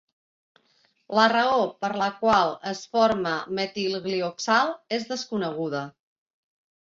La raó per la qual es forma metilglioxal és desconeguda.